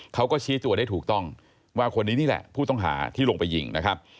เขาก็ชี้ตัวได้ถูกต้องว่าคนนี้นี่แหละผู้ต้องหาที่ลงไปยิงนะครับ